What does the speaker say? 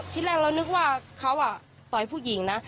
ที่แรกเรานึกว่าเขาต่อยผู้หญิงนะ